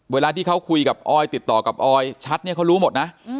เวลาที่เขาคุยกับออยติดต่อกับออยชัดเนี่ยเขารู้หมดนะ